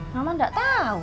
mama enggak tahu